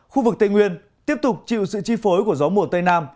khu vực tây nguyên tiếp tục chịu sự chi phối của gió mùa tây nam